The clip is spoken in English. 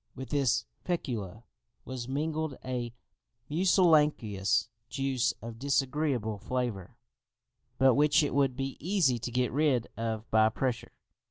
With this fecula was mingled a mucilaginous juice of disagreeable flavour, but which it would be easy to get rid of by pressure.